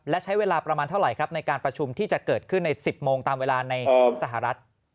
และใช้เวลาประมาณเท่าไหร่ครับในการประชุมที่จะเกิดขึ้นใน๑๐โมงตามเวลาในสหรัฐ